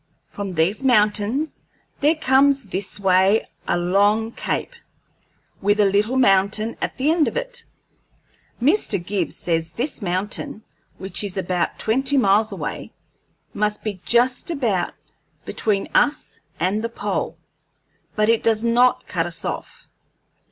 From these mountains there comes this way a long cape, with a little mountain at the end of it. Mr. Gibbs says this mountain, which is about twenty miles away, must be just about between us and the pole, but it does not cut us off.